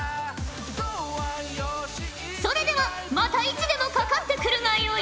それではまたいつでもかかってくるがよい！